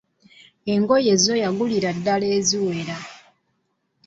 Engoye zzo yagulira ddala eziwera.